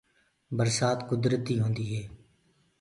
برسآت کُدرتي هوندي هي۔